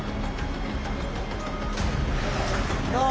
どう？